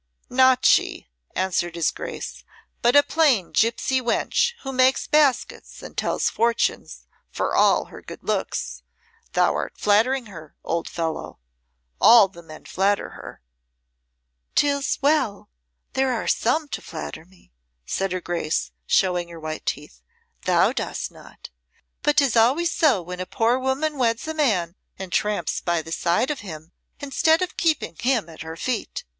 "Not she," answered his Grace, "but a plain gipsy wench who makes baskets and tells fortunes for all her good looks. Thou'rt flattering her, old fellow. All the men flatter her." "'Tis well there are some to flatter me," said her Grace, showing her white teeth. "Thou dost not. But 'tis always so when a poor woman weds a man and tramps by the side of him instead of keeping him at her feet."